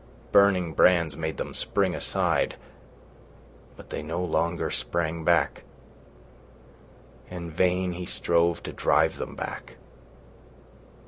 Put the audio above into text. Burning brands made them spring aside, but they no longer sprang back. In vain he strove to drive them back.